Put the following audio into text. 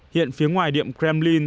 hiện phía ngoài điểm kremlin